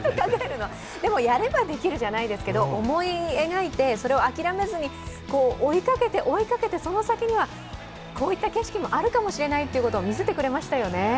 でも、やればできるじゃないですけど、思い描いてそれを諦めずに追いかけて追いかけてその先にはこういった景色もあるかもしれないということを見せてくれましたよね。